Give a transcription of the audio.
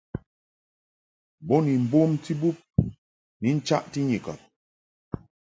Bo ni mbomti bub ni nchaʼti Nyikɔb.